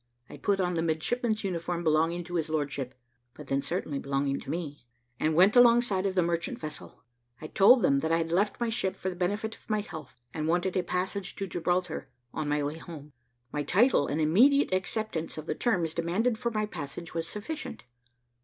I put on the midshipman's uniform belonging to his lordship (but then certainly belonging to me), and went alongside of the merchant vessel; I told them that I had left my ship for the benefit of my health, and wanted a passage to Gibraltar, on my way home. My title, and immediate acceptance of the terms demanded for my passage, was sufficient.